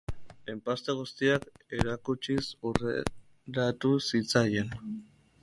Enpaste guztiak erakutsiz hurreratu zitzaien.